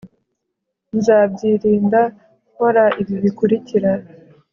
nzabyirinda nkora ibi bikurikira